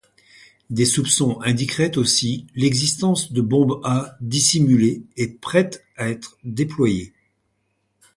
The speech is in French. Des soupçons indiqueraient aussi l’existence de bombes A dissimulés et prêtes à être déployées.